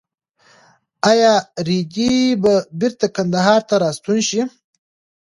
ایا رېدی به بېرته کندهار ته راستون شي؟